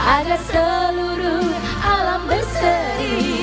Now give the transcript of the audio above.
ada seluruh alam besar